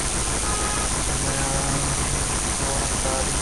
زورامندی